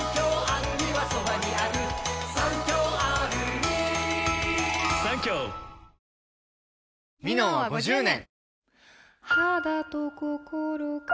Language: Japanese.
ニトリ「ミノン」は５０年！